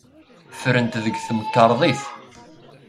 Ffrent deg temkarḍit.